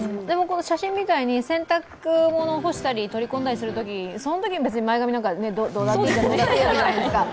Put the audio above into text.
写真みたいに洗濯物を干したり、取り込んだりするときはそのときは別に前髪でどうだっていいわけじゃないですか。